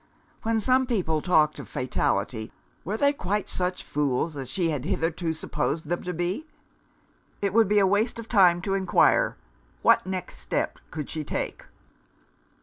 When some people talked of Fatality, were they quite such fools as she had hitherto supposed them to be? It would be a waste of time to inquire. What next step could she take?